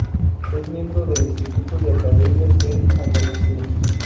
Es miembro del Instituto de Academias de Andalucía.